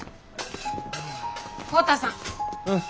浩太さん。